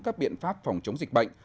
các biện pháp phòng chống dịch bệnh